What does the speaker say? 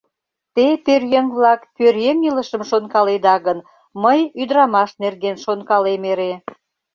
Те, пӧръеҥ-влак, пӧръеҥ илышым шонкаледа гын, мый ӱдырамаш нерген шонкалем эре.